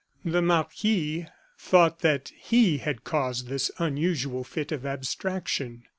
The marquis thought that he had caused this unusual fit of abstraction.